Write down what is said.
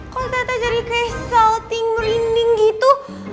kok tata jadi kayak salting merinding gitu